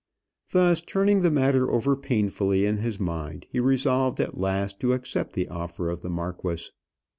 Thus turning the matter over painfully in his mind, he resolved at last to accept the offer of the marquis.